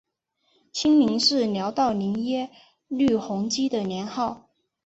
清宁是辽道宗耶律洪基的年号。